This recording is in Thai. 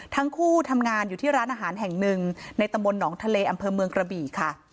ทั้งคู่ทำงานอยู่ที่ร้านอาหารแห่งหนึ่งในตำบลหนองทะเลอำเภอเมืองกระบี่ค่ะ